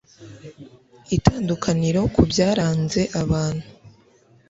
itandukaniro ku byaranze abantu